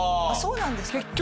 あっそうなんですか。